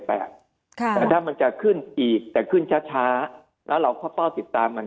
แต่ถ้ามันจะขึ้นอีกแต่ขึ้นช้าแล้วเราก็เฝ้าติดตามมัน